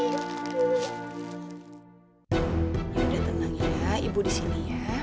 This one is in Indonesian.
ya udah tenang ya ibu di sini ya